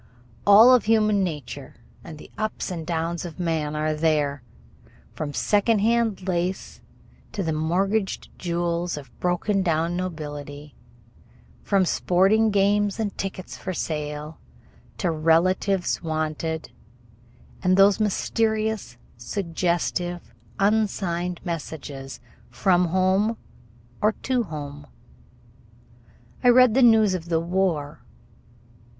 All of human nature and the ups and downs of man are there, from secondhand lace to the mortgaged jewels of broken down nobility, from sporting games and tickets for sale to relatives wanted, and those mysterious, suggestive, unsigned messages from home or to home. I read the news of the war.